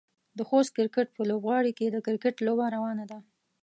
د خوست کرکټ په لوبغالي کې د کرکټ لوبه روانه ده.